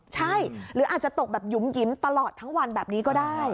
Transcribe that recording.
ใช่หรืออาจจะตกแบบหยุ่มหิมตลอดทั้งวันแบบนี้ก็ได้